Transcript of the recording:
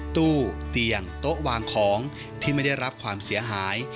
ตู้เตียงโต๊ะวางของที่ไม่ได้รับความเสียหาย